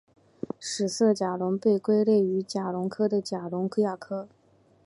史色甲龙被归类于甲龙科的甲龙亚科。